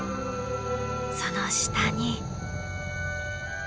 その下に。